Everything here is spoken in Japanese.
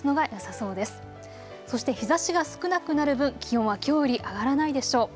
そして日ざしが少なくなる分、気温はきょうより上がらないでしょう。